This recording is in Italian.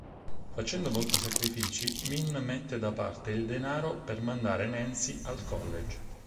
Facendo molti sacrifici, Min mette da parte il denaro per mandare Nancy al college.